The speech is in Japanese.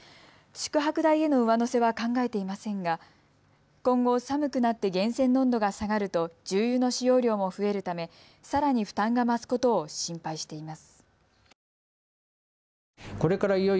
宿泊代への上乗せは考えていませんが今後、寒くなって源泉の温度が下がると重油の使用量も増えるためさらに負担が増すことを心配しています。